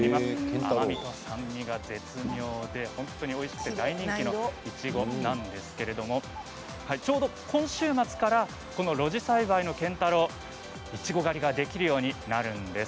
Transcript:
甘みと酸味が絶妙で本当においしくて大人気のいちごなんですけれどもちょうど今週末から露地栽培の「けんたろう」いちご狩りができるようになるんです。